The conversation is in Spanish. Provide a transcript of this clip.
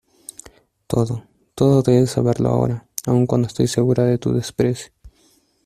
todo, todo debes saberlo ahora , aun cuando estoy segura de tu desprecio...